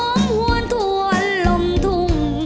อ้อมหวนทวนลมทุ่ง